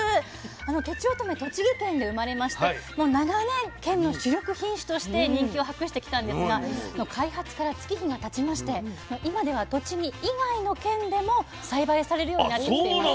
とちおとめ栃木県で生まれましてもう長年県の主力品種として人気を博してきたんですが開発から月日がたちまして今では栃木以外の県でも栽培されるようになってきています。